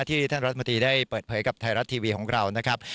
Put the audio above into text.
ท่านรัฐมนตรีได้เปิดเผยกับไทยรัฐทีวีของเรานะครับ